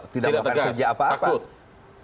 tidak akan kerja apa apa takut